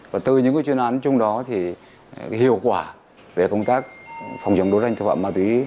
và từ những chuyên án chung đó thì hiệu quả về công tác phòng chống đấu tranh tội phạm ma túy